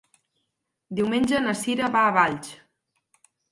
Diumenge na Cira va a Valls.